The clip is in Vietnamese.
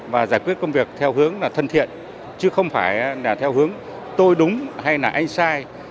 và giải quyết công việc theo hướng thân thiện chứ không phải theo hướng tôi đúng hay anh sai